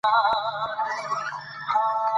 ـ ډول چې دې تر څنګ دى د وهلو يې څه ننګ دى.